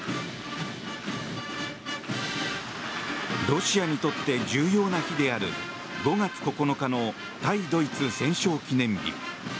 ロシアにとって重要な日である５月９日の対ドイツ戦勝記念日。